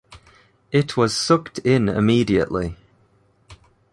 It was sucked in immediately.